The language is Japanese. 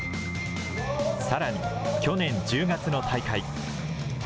さらに去年１０月の大会。